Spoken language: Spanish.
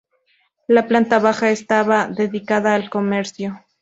La planta baja estaba dedicada al comercio.